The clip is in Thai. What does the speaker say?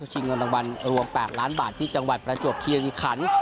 ชิงเงินรางวัลรวม๘ล้านบาทที่จังหวัดประจวบคิริขัน